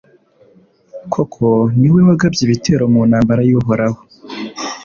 koko, ni we wagabye ibitero mu ntambara y'uhoraho